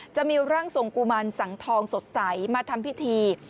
จะมีร่างทรงกุมารสังทองสดใสมาทำพิธี